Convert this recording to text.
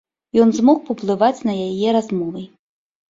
Ён змог паўплываць на яе размовай.